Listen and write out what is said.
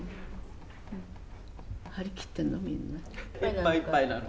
いっぱいいっぱいなの。